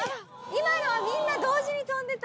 今のはみんな同時に跳んでた。